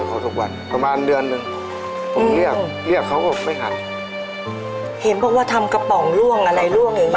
เห็นเพราะว่าทำกระป๋องร่วงอะไรร่วงอย่างนี้